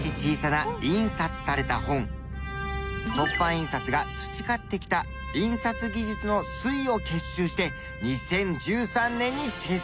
凸版印刷が培ってきた印刷技術の粋を結集して２０１３年に製作。